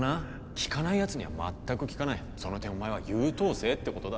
効かないやつには全く効かないその点お前は優等生ってことだ